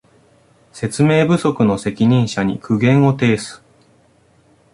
説明不足の責任者に苦言を呈す